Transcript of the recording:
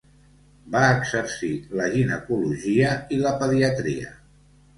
Va exercir la ginecologia i la pediatria.